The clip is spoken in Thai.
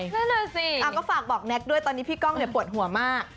อ่าฟากบอกแนนกด้วยเพราะว่าตอนนี้พี่ก้องปวดหัวมาก